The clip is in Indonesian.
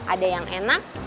ada yang enak